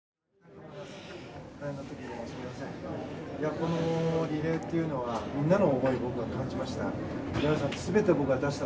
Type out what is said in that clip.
このリレーというのはみんなの思いを感じました。